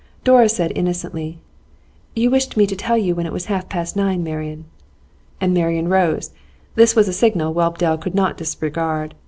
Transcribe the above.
Dora said innocently: 'You wished me to tell you when it was half past nine, Marian.' And Marian rose. This was a signal Whelpdale could not disregard.